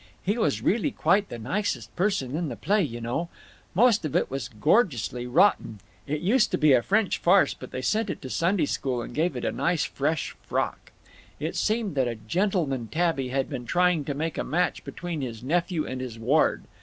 He was really quite the nicest person in the play, y' know. Most of it was gorgeously rotten. It used to be a French farce, but they sent it to Sunday school and gave it a nice fresh frock. It seemed that a gentleman tabby had been trying to make a match between his nephew and his ward.